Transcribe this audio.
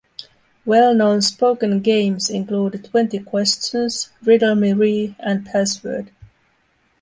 Well-known spoken games include Twenty Questions, Riddle Me Ree, and Password.